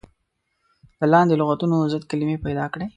د لاندې لغتونو ضد کلمې پيداکړئ.